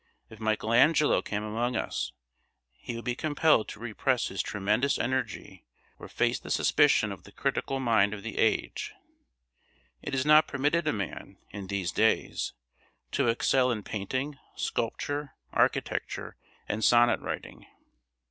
If Michelangelo came among us, he would be compelled to repress his tremendous energy or face the suspicion of the critical mind of the age; it is not permitted a man, in these days, to excel in painting, sculpture, architecture, and sonnet writing.